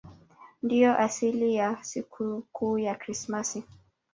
Ndiyo asili ya sikukuu ya Krismasi.